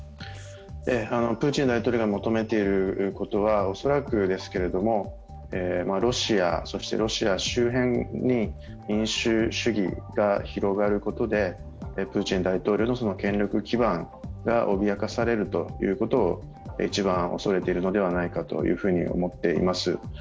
プーチン大統領が求めていることは、恐らくですけれどもロシア、そしてロシア周辺に民主主義が広がることでプーチン大統領の権力基盤が脅かされるということが一番恐れているのではないかと思っています。